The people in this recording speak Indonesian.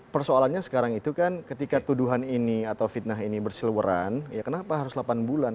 persoalannya sekarang itu kan ketika tuduhan ini atau fitnah ini bersiluweran ya kenapa harus delapan bulan